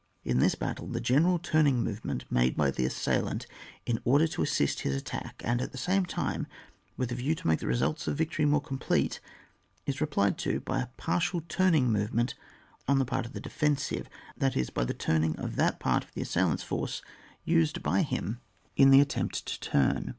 In this battle the gener^ turning movement made by tlie assailant in order to assist his attack, and at the same time with a view to make the results of victory more complete, is replied to by a partied turn ing movement on the part of the defen sive, that is, by the turning of that part of tiie assailant's force used by him in CHAP. IZ.] DEFENSIVE BATTLE. 97 the attempt to turn.